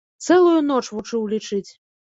Цэлую ноч вучыў лічыць.